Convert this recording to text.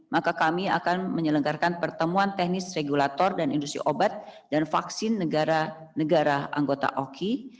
maka kami akan menyelenggarkan pertemuan teknis regulator dan industri obat dan vaksin negara negara anggota oki